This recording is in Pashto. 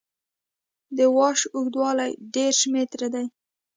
د واش اوږدوالی دېرش متره دی